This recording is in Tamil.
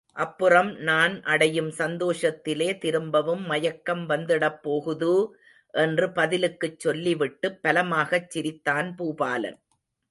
அப்புறம் நான் அடையும் சந்தோஷத்திலே திரும்பவும் மயக்கம் வந்திடப் போகுது! என்று பதிலுக்குச் சொல்லிவிட்டுப் பலமாகச் சிரித்தான் பூபாலன்.